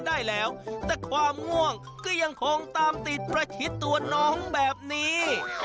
แต่ความง่วงก็ยังคงตามติดประทิตย์ตัวน้องแบบนี้